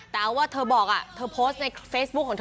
แต่ว่าเธอบอกเธอโพสต์ในเฟซบุ๊คของเธอ